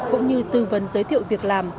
cũng như tư vấn giới thiệu việc làm